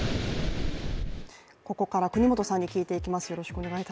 ここから國本さんに聞いていきます。